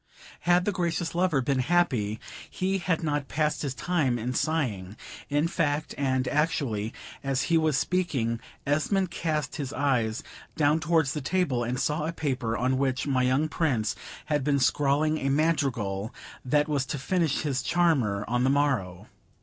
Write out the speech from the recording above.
Had the Gracious lover been happy, he had not passed his time in sighing." In fact, and actually as he was speaking, Esmond cast his eyes down towards the table, and saw a paper on which my young Prince had been scrawling a madrigal, that was to finish his charmer on the morrow.